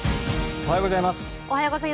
おはようございます。